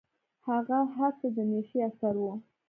هغه هر څه د نيشې اثر و.